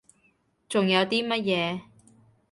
仲有啲乜嘢？